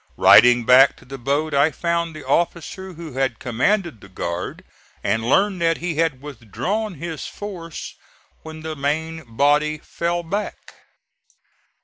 Riding back to the boat I found the officer who had commanded the guard and learned that he had withdrawn his force when the main body fell back.